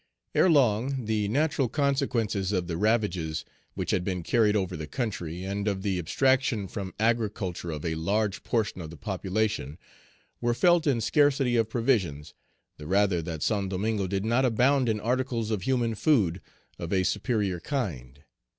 ERELONG, the natural consequences of the ravages which had been carried over the country, and of the abstraction from agriculture of a large portion of the population, were felt in scarcity of provisions, the rather that Saint Domingo did not abound in articles of human food of a superior kind.